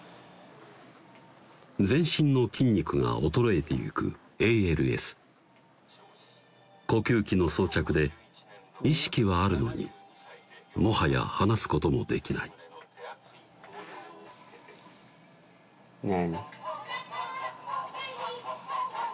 全身の筋肉が衰えてゆくＡＬＳ呼吸器の装着で意識はあるのにもはや話すこともできない何？